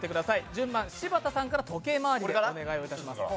順番、柴田さんから時計回りでお願いいたします。